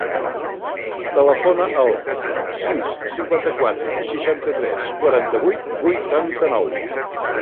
Telefona al sis, cinquanta-quatre, seixanta-tres, quaranta-vuit, vuitanta-nou.